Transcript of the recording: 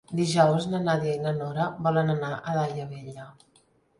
Dijous na Nàdia i na Nora volen anar a Daia Vella.